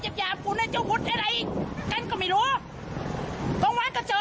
หยาบหยาบฝุ่นเนี่ยเจ้าฝุ่นอะไรกันก็ไม่รู้กำวันก็เจอ